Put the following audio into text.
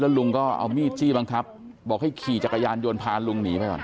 ลุงก็เอามีดจี้บังคับบอกให้ขี่จักรยานยนต์พาลุงหนีไปก่อน